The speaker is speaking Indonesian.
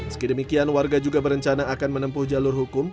sekidemikian warga juga berencana akan menempuh jalur hukum